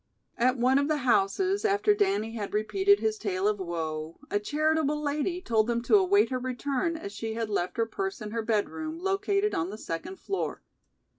At one of the houses, after Danny had repeated his tale of woe, a charitable lady told them to await her return as she had left her purse in her bed room, located on the second floor.